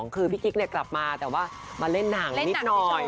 คือพี่กิ๊กกลับมาแต่ว่ามาเล่นหนังนิดหน่อย